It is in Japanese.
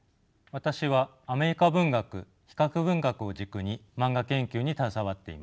私はアメリカ文学比較文学を軸にマンガ研究に携わっています。